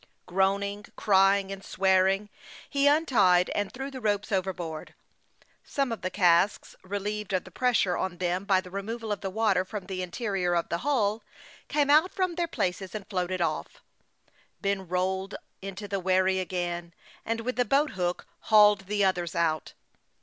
Groaning, crying, and swearing, he untied and threw the ropes overboard. Some of the casks, relieved of the pressure on them by the removal 5f the water from the interior of the hull, came out from their places and floated off. Ben rolled into the w r herry again, and with the boat hook hauled the others out.